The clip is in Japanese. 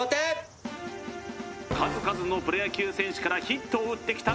数々のプロ野球選手からヒットを打ってきた